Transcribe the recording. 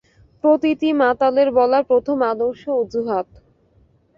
প্রতিটি মাতালের বলা প্রথম আদর্শ অজুহাত!